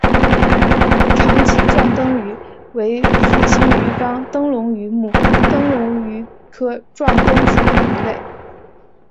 长鳍壮灯鱼为辐鳍鱼纲灯笼鱼目灯笼鱼科壮灯鱼属的鱼类。